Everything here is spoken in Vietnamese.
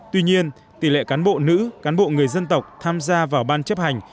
tuy nhiên tỷ lệ cán bộ nữ cán bộ người dân tộc tham gia vào ban chấp hành